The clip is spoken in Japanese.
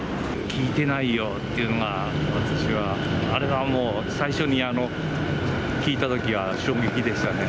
聞いてないよォというのが、私はあれはもう、最初にあれを聞いたときは、衝撃でしたね。